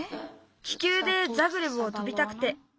気球でザグレブを飛びたくて。